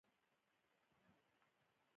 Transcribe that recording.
مخ په بره مې منډه کړه.